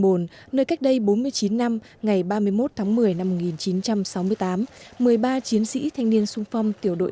bồn nơi cách đây bốn mươi chín năm ngày ba mươi một tháng một mươi năm một nghìn chín trăm sáu mươi tám một mươi ba chiến sĩ thanh niên sung phong tiểu đội